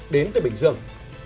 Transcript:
đến từ bình dương